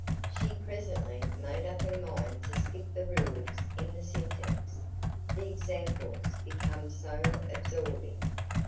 She presently made up her mind to skip the rules in the Syntax, the examples became so absorbing.